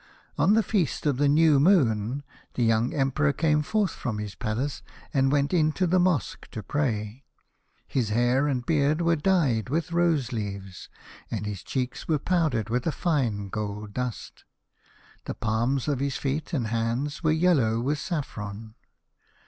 On the feast of the New Moon the young Emperor came forth from his palace and went into the mosque to pray. His hair and beard were dyed with rose leaves, and his cheeks were powdered with a fine gold dust. The palms of his feet and hands were yellow with saffron.